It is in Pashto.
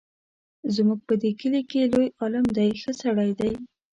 زموږ په دې کلي کې لوی عالم دی ښه سړی دی.